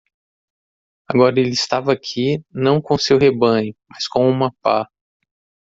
Agora ele estava aqui não com seu rebanho?, mas com uma pá.